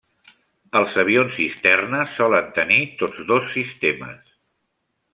Els avions cisterna solen tenir tots dos sistemes.